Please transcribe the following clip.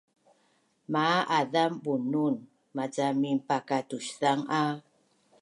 Maa azam Bunun maca minpakatuszang a